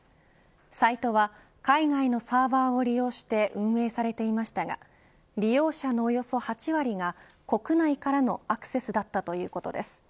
サイトは海外のサーバーを利用して運営されていましたが利用者のおよそ８割が国内からのアクセスだったということです。